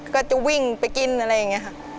ก็จะวิ่งไปกินอะไรอย่างนี้ค่ะ